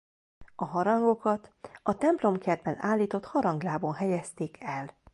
A harangokat a templomkertben állított haranglábon helyezték el.